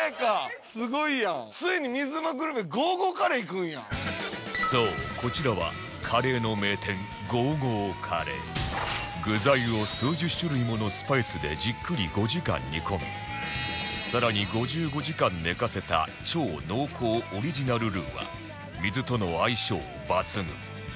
すごいやんそうこちらはカレーの名店ゴーゴーカレー具材を数十種類ものスパイスでじっくり５時間煮込み更に５５時間寝かせた超濃厚オリジナルルーは水との相性抜群